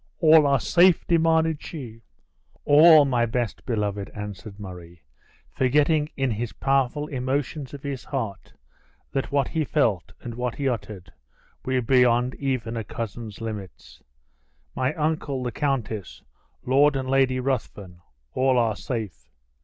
All are safe?" demanded she. "All, my best beloved!" answered Murray, forgetting in his powerful emotions of his heart, that what he felt, and what he uttered, were beyond even a cousin's limits: "My uncle, the countess, Lord and Lady Ruthven all are safe."